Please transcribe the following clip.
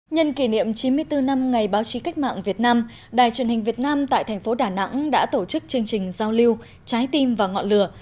nhân kỷ niệm chín mươi bốn năm ngày báo chí cách mạng việt nam đài truyền hình việt nam tại thành phố đà nẵng đã tổ chức chương trình giao lưu trái tim và ngọn lửa